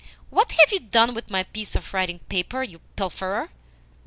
"What have you done with my piece of writing paper, you pilferer?"